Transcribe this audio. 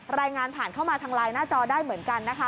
รายงานผ่านเข้ามาทางไลน์หน้าจอได้เหมือนกันนะคะ